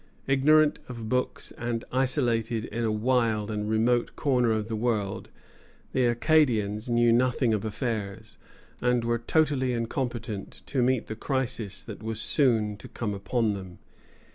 Ignorant of books and isolated in a wild and remote corner of the world, the Acadians knew nothing of affairs, and were totally incompetent to meet the crisis that was soon to come upon them.